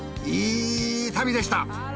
いい旅でした。